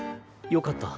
よかった。